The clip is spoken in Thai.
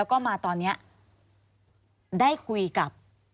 ควิทยาลัยเชียร์สวัสดีครับ